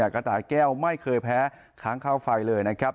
กระต่ายแก้วไม่เคยแพ้ค้างค่าไฟเลยนะครับ